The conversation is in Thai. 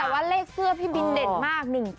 แต่ว่าเลขเสื้อพี่บินเด่นมาก